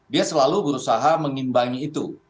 dia selalu berusaha mengimbangi itu